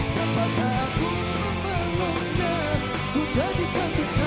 memberikan warna yang bisa